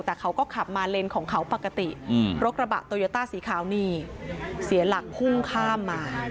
แต่เขาก็ขับมาเลนของเขาปกติรถกระบะโตโยต้าสีขาวนี่เสียหลักพุ่งข้ามมา